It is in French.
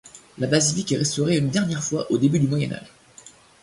La basilique est restaurée une dernière fois au début du Moyen Âge.